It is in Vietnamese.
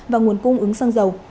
và nguồn cung ứng xăng dầu